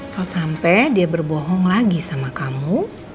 kalo sampe dia berbohong lagi sama kamu